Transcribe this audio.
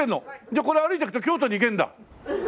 じゃあこれ歩いて行くと京都に行けるんだ？